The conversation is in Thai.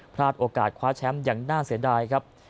พลาดโอกาสคว้าแชมป์อย่างน่าเสียดายครับ